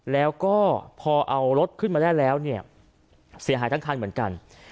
แล้วก็พอเอารถขึ้นมาได้แล้วเนี่ยเสียหายทั้งคันเหมือนกัน